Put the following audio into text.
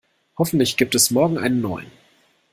Hoffentlich gibt es morgen einen neuen.